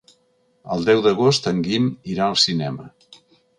El deu d'agost en Guim irà al cinema.